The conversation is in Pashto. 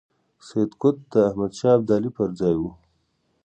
سید قطب د احمد شاه ابدالي پر ځای وو.